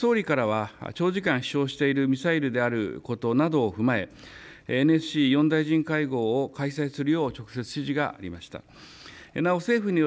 また総理からは長時間、飛しょうしているミサイルであることなどを踏まえＮＳＣ４大臣会合を開催するよう直接、指示がありました。